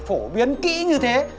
phổ biến kỹ như thế